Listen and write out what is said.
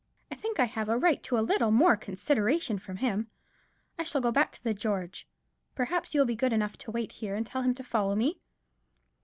I think I have a right to a little more consideration from him. I shall go back to the George. Perhaps you'll be good enough to wait here, and tell him to follow me."